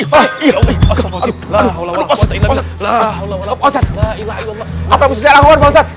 apa yang kamu susah lakukan pak ustadz